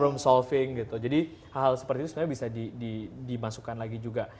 room solving gitu jadi hal hal seperti itu sebenarnya bisa dimasukkan lagi juga